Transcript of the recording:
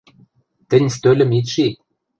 Тӹнь стӧлӹм ит ши...